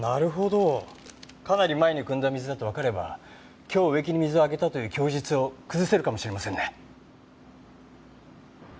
かなり前に汲んだ水だってわかれば今日植木に水をあげたという供述を崩せるかもしれませんね。